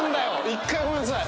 １回ごめんなさい。